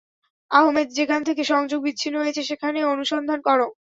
আহমেদ, যেখান থেকে সংযোগ বিচ্ছিন্ন হয়েছে সেখানে অনুসন্ধান করো।